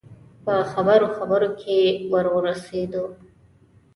په خبرو خبرو کې ور ورسېدو.